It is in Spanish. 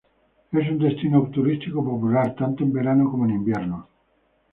Es un destino turístico popular tanto en verano como en invierno.